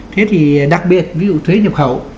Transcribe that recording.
thế thì đặc biệt ví dụ thuế nhập khẩu